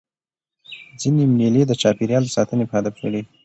ځيني مېلې د چاپېریال د ساتني په هدف جوړېږي.